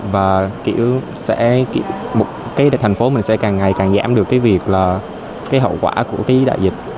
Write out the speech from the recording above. và thành phố mình sẽ càng ngày càng giảm được hậu quả của đại dịch